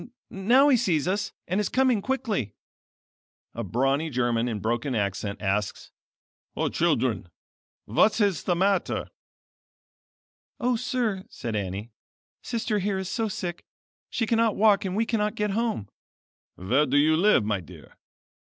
Now he sees us, and is coming quickly." A brawny German in broken accent asks: "O children, what is the matter?" "O sir," said Annie, Sister here is so sick she cannot walk and we cannot get home." "Where do you live my dear?"